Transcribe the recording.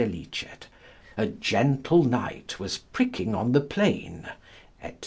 A gentle knight was pricking on the playne, &c.